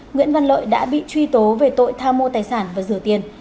nguyễn văn lợi đã bị truy tố về tội tha mua tài sản và rửa tiền